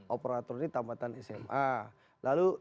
operator ini tambatan sma